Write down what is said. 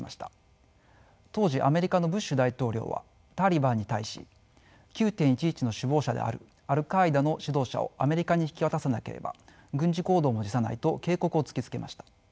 当時アメリカのブッシュ大統領はタリバンに対し９．１１の首謀者であるアル＝カーイダの指導者をアメリカに引き渡さなければ軍事行動も辞さないと警告を突きつけました。